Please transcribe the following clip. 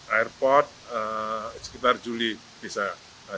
airport sekitar juli bisa